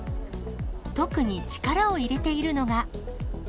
特に力を入れているのが。